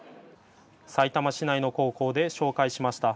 さいたま市内の高校で紹介しました。